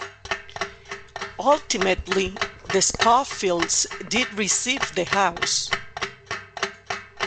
Ultimately, the Skofields did receive the house.